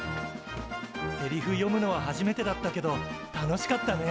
セリフ読むのは初めてだったけど楽しかったね。